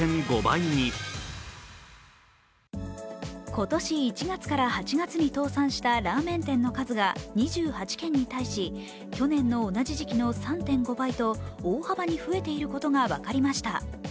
今年１月から８月に倒産したラーメン店の数が２８件に対し去年の同じ時期の３．５倍と大幅に増えていることが分かりました。